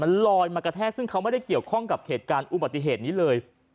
ลอยมากระแทกซึ่งเขาไม่ได้เกี่ยวข้องกับเหตุการณ์อุบัติเหตุนี้เลย